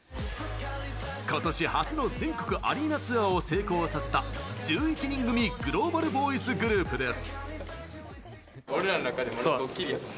今年初の全国アリーナツアーを成功させた１１人組グローバルボーイズグループです。